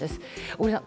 小栗さん